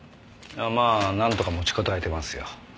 まあなんとか持ちこたえてますよ。